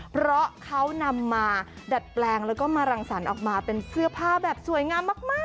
เพราะเขานำมาดัดแปลงแล้วก็มารังสรรค์ออกมาเป็นเสื้อผ้าแบบสวยงามมาก